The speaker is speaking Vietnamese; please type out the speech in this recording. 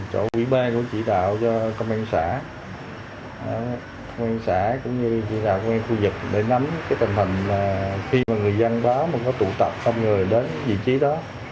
chỗ quỹ b cũng chỉ đạo cho công an xã công an xã cũng như chỉ đạo công an khu vực để nắm cái tầm hình là khi mà người dân đó mà có tụ tập không người đến vị trí đó